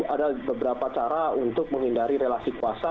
ada beberapa cara untuk menghindari relasi kuasa